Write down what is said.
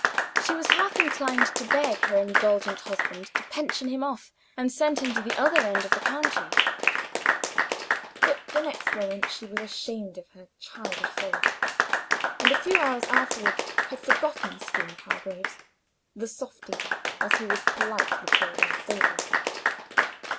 She was half inclined to beg her indulgent husband to pension him off, and send him to the other end of the county; but the next moment she was ashamed of her childish folly, and a few hours afterward had forgotten Steeve Hargraves, the "softy," as he was politely called in the stables.